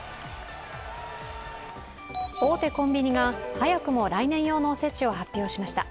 大手コンビニが早くも来年用のお節を発表しました。